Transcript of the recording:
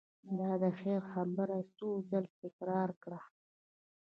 دا د خیر خبره یې څو ځل تکرار کړه.